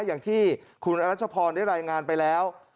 อย่างที่คุณอรัชพรได้รายงานไปแล้ว